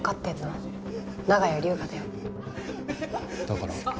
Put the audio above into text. だから？